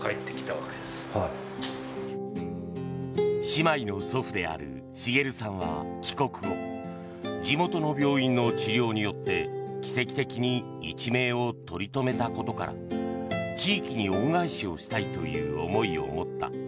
姉妹の祖父である茂さんは帰国後地元の病院の治療によって奇跡的に一命を取り留めたことから地域に恩返しをしたいという思いを持った。